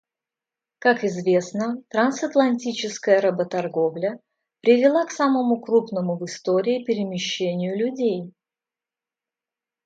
Как известно, трансатлантическая работорговля привела к самому крупному в истории перемещению людей.